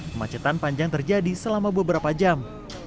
kemacetan panjang terjadi selama beberapa jam